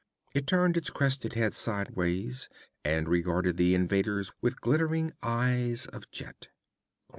It turned its crested head sidewise and regarded the invaders with glittering eyes of jet.